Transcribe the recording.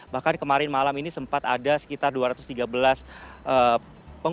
bahkan kemarin malam ini sempat ada sekitar dua ratus tiga belas pengungsi yang mendatangi rsud cimacan